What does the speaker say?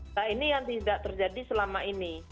nah ini yang tidak terjadi selama ini